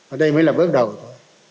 ở đây mới là bước đầu thôi